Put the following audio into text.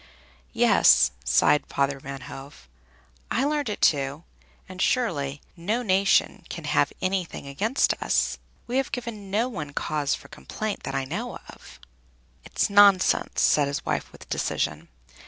"Yes," sighed Father Van Hove. "I learned it too, and surely no nation can have anything against us! We have given no one cause for complaint that I know of." "It's nonsense," said his wife with decision.